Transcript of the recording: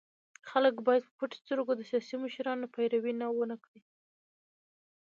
خلګ بايد په پټو سترګو د سياسي مشرانو پيروي ونه کړي.